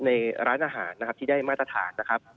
ในร้านอาหารนะครับที่ได้มาตรฐานนะครับ